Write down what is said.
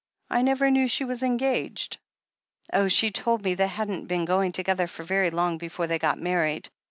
I never knew she was engaged." "Oh, she told me they hadn't been going together for very long before they got married.